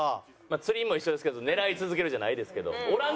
釣りも一緒ですけど狙い続けるじゃないですけどおらん